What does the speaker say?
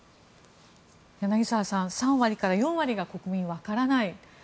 柳澤さん、３割から４割が国民が分からない。